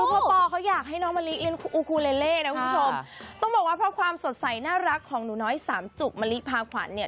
พ่อปอเขาอยากให้น้องมะลิเล่นอูคูเลเล่นะคุณผู้ชมต้องบอกว่าเพราะความสดใสน่ารักของหนูน้อยสามจุกมะลิพาขวัญเนี่ย